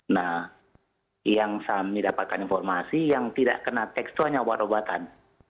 nah yang kami dapatkan informasi yang tidak kena teks itu hanya obat obatan